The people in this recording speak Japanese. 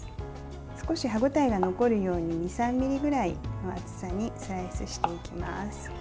少し歯応えが残るように２３ｍｍぐらいの厚さにスライスしていきます。